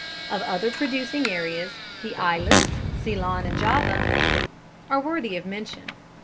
Of other producing areas, the islands, Ceylon and Java, are worthy of mention.